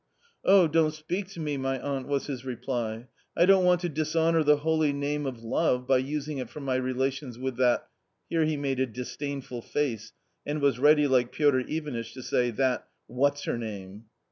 " Oh, don't speak to me, ma tante? was his reply, " I don't want to dishonour the holy name of love by using it for my relations with that " Here he made a disdainful face and was ready, like Piotr Ivanitch, to say " that — what's her name